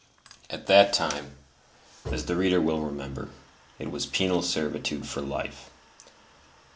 At that time, as the reader will remember, it was penal servitude for life.